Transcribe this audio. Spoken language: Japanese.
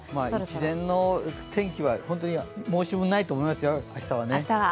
自然の天気は申し分ないと思いますよ、明日は。